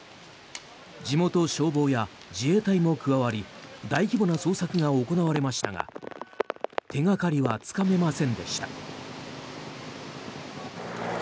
地元消防や自衛隊も加わり大規模な捜索が行われましたが手掛かりはつかめませんでした。